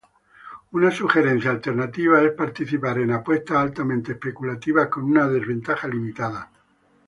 Una sugerencia alternativa es participar en apuestas altamente especulativas con una desventaja limitada.